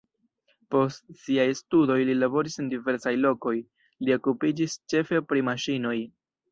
Post siaj studoj li laboris en diversaj lokoj, li okupiĝis ĉefe pri maŝinoj.